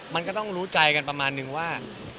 มันก็ต้องรู้ใจกันประมาณนึงว่า